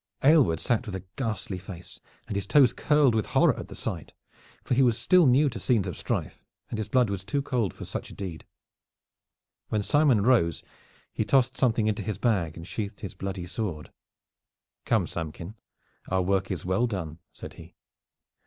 Aylward sat with a ghastly face, and his toes curled with horror at the sight, for he was still new to scenes of strife and his blood was too cold for such a deed. When Simon rose he tossed something into his bag and sheathed his bloody sword. "Come, Samkin, our work is well done," said he.